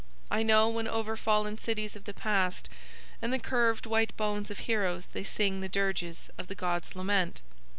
I know when over fallen cities of the past, and the curved white bones of heroes They sing the dirges of the gods' lament.